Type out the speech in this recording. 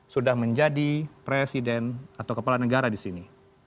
sudah menjadi presiden atau kepala negara disini